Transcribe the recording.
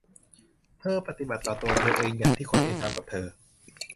เธอปฏิบัติต่อตัวเธอเองอย่างที่คนอื่นทำกับเธอ